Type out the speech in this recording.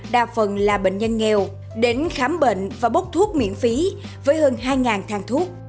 đa phần là bệnh nhân nghèo đến khám bệnh và bốc thuốc miễn phí với hơn hai thang thuốc